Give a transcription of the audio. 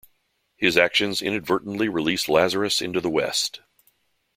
His actions inadvertently release Lazarus into the West.